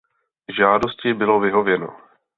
Žádosti bylo vyhověno.